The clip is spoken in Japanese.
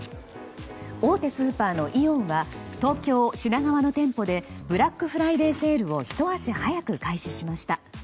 大手スーパーのイオンは東京・品川の店舗でブラックフライデーセールをひと足早く開始しました。